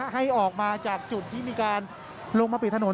ให้ออกมาจากจุดที่มีการลงมาปิดถนน